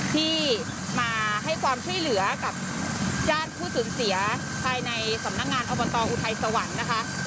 ที่มาให้ความช่วยเหลือกับญาติผู้สูญเสียภายในสำนักงานอบตอุทัยสวรรค์นะคะ